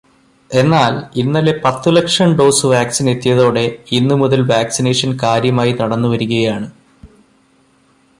എന്നാല് ഇന്നലെ പത്തു ലക്ഷം ഡോസ് വാക്സിന് എത്തിയതോടെ ഇന്ന് മുതല് വാക്സിനേഷന് കാര്യമായി നടന്നു വരികയാണ്.